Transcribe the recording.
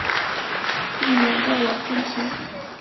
避免掉了风险